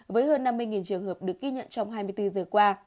với hơn năm mươi trường hợp được ghi nhận trong hai mươi bốn giờ qua